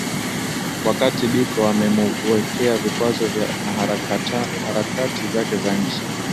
Wakati Biko wamemuwekea vikwazo na harakati zake za nchi